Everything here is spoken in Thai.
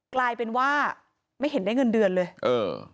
กลายเป็นว่าไม่เห็นได้เงินเดือนเลยเออ